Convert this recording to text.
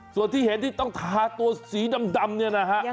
ส่วนที่เห็นที่ต้องทาตัวสีดำเนี่ยนะฮะ